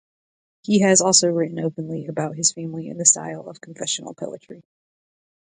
He has also written openly about his family in the style of confessional poetry.